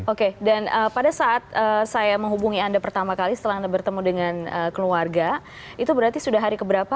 oke dan pada saat saya menghubungi anda pertama kali setelah anda bertemu dengan keluarga itu berarti sudah hari keberapa